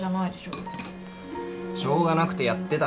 しょうがなくてやってたの。